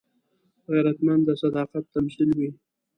غیرتمند د صداقت تمثیل وي